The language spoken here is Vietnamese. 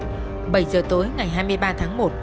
bảy h tối ngày hai mươi ba tháng một